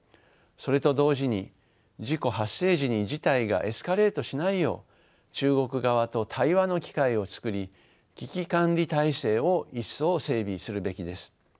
それと同時に事故発生時に事態がエスカレートしないよう中国側と対話の機会を作り危機管理体制を一層整備するべきです。